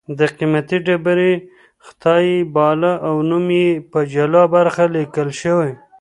د قېمتي ډبرې خدای یې باله او نوم یې په جلا برخه لیکل شوی